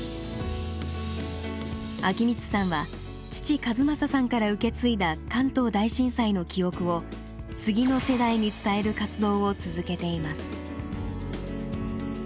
昭光さんは父一正さんから受け継いだ関東大震災の記憶を次の世代に伝える活動を続けています。